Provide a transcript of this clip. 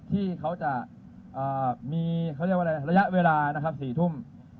ที่เขาจะมีระยะเวลานะครับ๔ทุ่ม